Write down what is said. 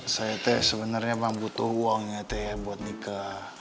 saya teh sebenarnya memang butuh uang ya teh ya buat nikah